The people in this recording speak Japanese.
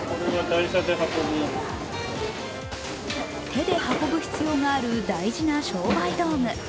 手で運ぶ必要がある大事な商売道具。